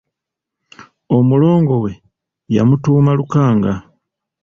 Omulongo we yamutuuma Lukanga.